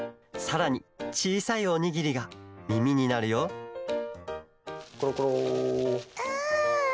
さらにちいさいおにぎりがみみになるよころころ。